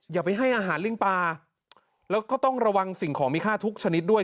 อย่าไปให้อาหารลิงปลาแล้วก็ต้องระวังสิ่งของมีค่าทุกชนิดด้วย